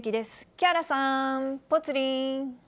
木原さん、ぽつリン。